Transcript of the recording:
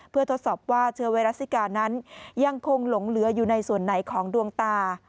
เพื่อทดสอบว่าเชื้อไวรัสซิกานั้นยังคงหลงเหลืออยู่ในส่วนไหนของดวงตา